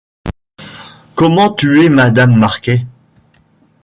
Comment tuer Madame Marquet… ?